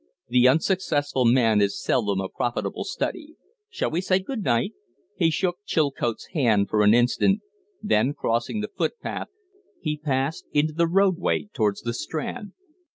The unsuccessful man is seldom a profitable study. Shall we say good night?" He took Chilcote's hand for an instant; then, crossing the footpath, he passed into the road way towards the Strand.